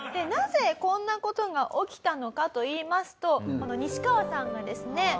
なぜこんな事が起きたのかといいますとニシカワさんがですね